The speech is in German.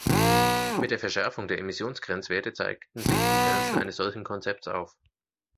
Mit der Verschärfung der Emissionsgrenzwerte zeigten sich die Grenzen eines solchen Konzepts auf.